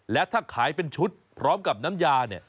และถ้าขายเป็นชุดพร้อมกับน้ำยาเนี่ย